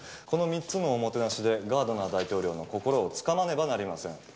この３つのおもてなしでガードナー大統領の心をつかまねばなりません。